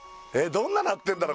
どんななってんだろ